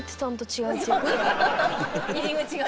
入り口がね。